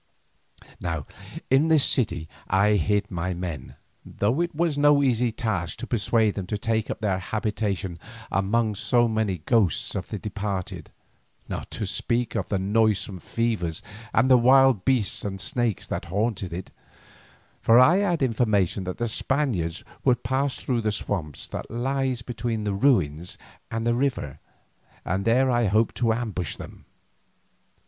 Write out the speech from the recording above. In this city I hid with my men, though it was no easy task to persuade them to take up their habitation among so many ghosts of the departed, not to speak of the noisome fevers and the wild beasts and snakes that haunted it, for I had information that the Spaniards would pass through the swamp that lies between the ruins and the river, and there I hoped to ambush them.